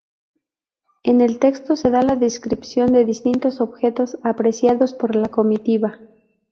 En el texto se da la descripción de distintos objetos apreciados por la comitiva.